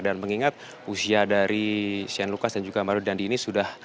dan mengingat usia dari sian lukas dan juga mario dandisatrio ini sudah